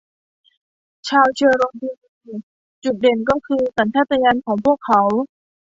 ชาวเชอโรกีมีจุดเด่นก็คือสัญชาตญาณของพวกเขา